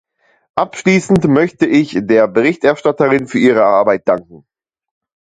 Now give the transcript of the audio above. Abschließend möchte ich der Berichterstatterin für ihre Arbeit danken.